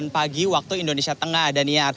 pagi waktu indonesia tenggara dania